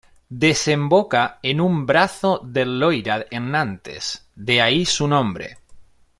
Desemboca en un brazo del Loira en Nantes, de ahí su nombre.